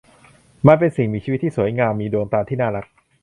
มันเป็นสิ่งมีชีวิตที่สวยงามมีดวงตาที่น่ารัก